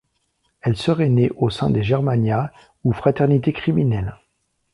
Elle serait née au sein des germanías ou fraternités criminelles.